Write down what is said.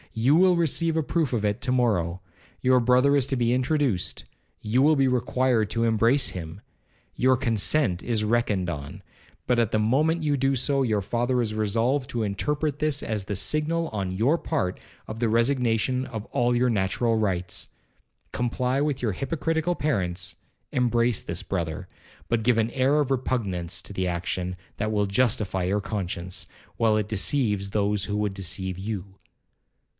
You will receive a proof of it to morrow,—your brother is to be introduced,—you will be required to embrace him,—your consent is reckoned on, but at the moment you do so, your father is resolved to interpret this as the signal, on your part, of the resignation of all your natural rights. Comply with your hypocritical parents, embrace this brother, but give an air of repugnance to the action that will justify your conscience, while it deceives those who would deceive you.